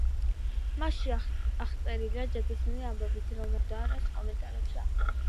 მასში აღწერილია ჯადოსნური ამბები, რომლებსაც ალბუს დამბლდორის კომენტარები ახლავს.